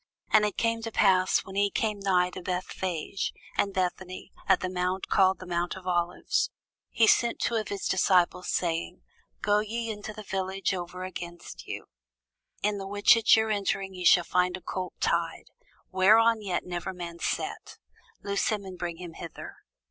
And it came to pass, when he was come nigh to Bethphage and Bethany, at the mount called the mount of Olives, he sent two of his disciples, saying, Go ye into the village over against you; in the which at your entering ye shall find a colt tied, whereon yet never man sat: loose him, and bring him hither.